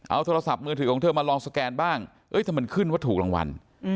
เอาโทรศัพท์มือถือของเธอมาลองสแกนบ้างถ้ามันขึ้นว่าถูกรางวัล